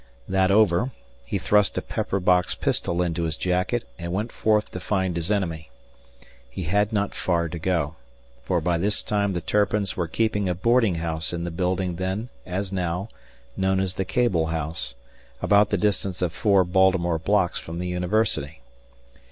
That over, he thrust a pepper box pistol into his jacket and went forth to find his enemy. He had not far to go; for by this time the Turpins were keeping a boarding house in the building then, as now, known as the Cabell House, about the distance of four Baltimore blocks from the University.